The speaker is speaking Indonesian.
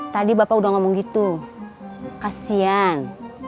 tadi bapak udah ngomong gitu kasian